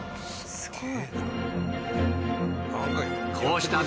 すげえ！